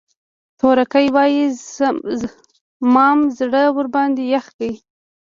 تورکى وايي مام زړه ورباندې يخ کړ.